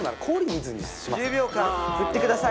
１０秒間振ってください。